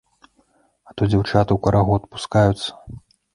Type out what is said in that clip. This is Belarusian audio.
А то дзяўчаты ў карагод пускаюцца.